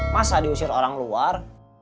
masa diusir orang luar